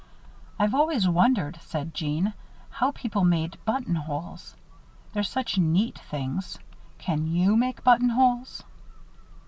"I've always wondered," said Jeanne, "how people made buttonholes. They're such neat things. Can you make buttonholes?"